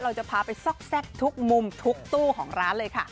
เราจะพาไปซอกแซ่กทุกมุมทุกตู้ของร้านเลยค่ะ